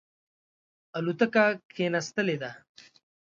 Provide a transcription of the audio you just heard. الوتکه کښېنستلې ده.